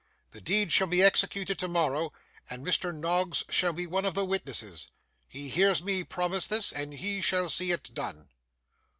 The deed shall be executed tomorrow, and Mr. Noggs shall be one of the witnesses. He hears me promise this, and he shall see it done.